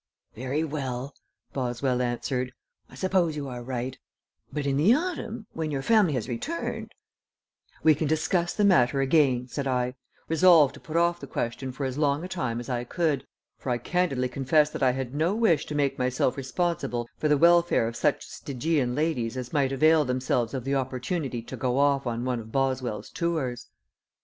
"Very well," Boswell answered. "I suppose you are right, but in the autumn, when your family has returned " "We can discuss the matter again," said I, resolved to put off the question for as long a time as I could, for I candidly confess that I had no wish to make myself responsible for the welfare of such Stygian ladies as might avail themselves of the opportunity to go off on one of Boswell's tours.